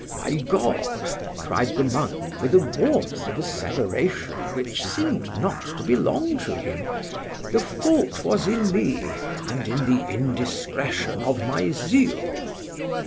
—My God! cried the monk, with a warmth of asseveration which seem'd not to belong to him—the fault was in me, and in the indiscretion of my zeal.